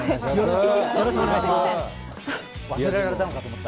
よろしくお願いします。